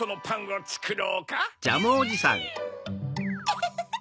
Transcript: ウフフフ！